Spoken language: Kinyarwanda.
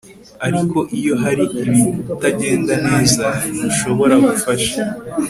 ariko iyo hari ibitagenda neza, ntushobora gufasha